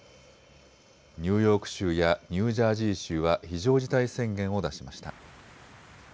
ニューヨーク州やニュージャージー州は非常事態宣言を出しました。